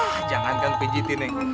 yah jangankan pijetin neng